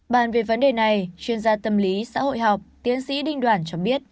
bàn về vấn đề này chuyên gia tâm lý xã hội học tiến sĩ đinh đoàn cho biết